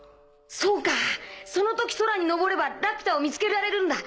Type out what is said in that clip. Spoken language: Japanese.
そうかその時空にのぼればラピュタを見つけられるんだ。